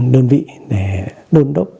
đơn vị để đơn độc